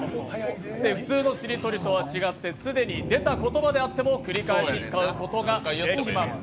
普通のしりとりとは違って、既に出た言葉であっても繰り返し使うことができます。